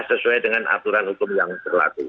sesuai dengan aturan hukum yang berlaku